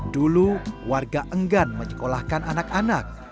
dulu warga enggan menyekolahkan anak anak